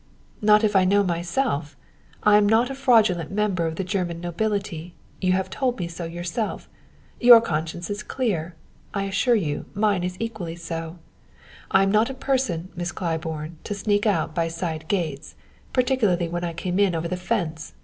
"Not if I know myself! I am not a fraudulent member of the German nobility you have told me so yourself. Your conscience is clear I assure you mine is equally so! And I am not a person, Miss Claiborne, to sneak out by side gates particularly when I came over the fence!